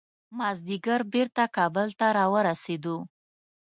مازدیګر بیرته کابل ته راورسېدو.